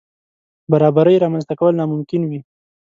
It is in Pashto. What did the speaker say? برابرۍ رامنځ ته کول ناممکن وي.